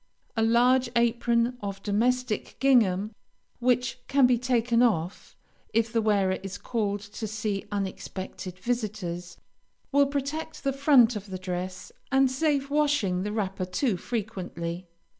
A large apron of domestic gingham, which can be taken off, if the wearer is called to see unexpected visiters, will protect the front of the dress, and save washing the wrapper too frequently.